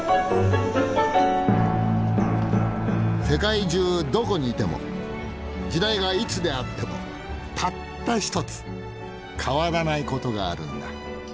世界中どこにいても時代がいつであってもたった一つ変わらないことがあるんだ。